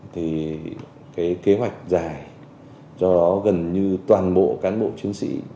thì cái kế hoạch dài cho gần như toàn bộ cán bộ chiến sĩ